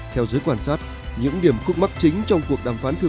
theo giới quan sát những điểm khúc mắc chính trong cuộc đàm phán của mỹ là